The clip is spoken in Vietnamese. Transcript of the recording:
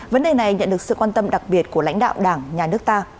vấn đề này nhận được sự quan tâm đặc biệt của lãnh đạo đảng nhà nước ta